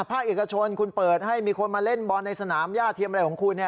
ภาคเอกชนคุณเปิดให้มีคนมาเล่นบอลในสนามย่าเทียมอะไรของคุณ